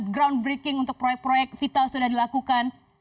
groundbreaking untuk proyek proyek vital sudah dilakukan